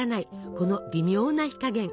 この微妙な火加減。